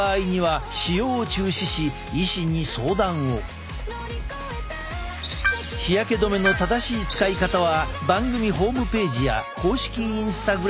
ただし日焼け止めの正しい使い方は番組ホームページや公式インスタグラムでも公開中！